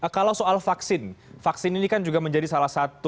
kalau soal vaksin vaksin ini kan juga menjadi salah satu